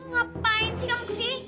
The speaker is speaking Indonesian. ngapain sih kamu kesini